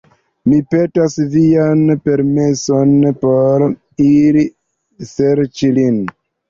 Mi petas vian permeson por iri serĉi lin.”